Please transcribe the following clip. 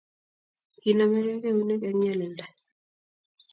Kinamegei keunek eng nyalilda